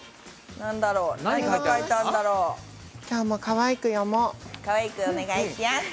かわいくお願いしやす。